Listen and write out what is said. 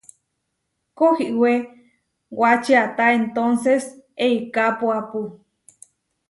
Kohiwé wačiáta entónses eikapuápu.